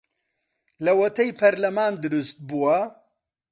لەوەتەی پەرلەمان دروست بووە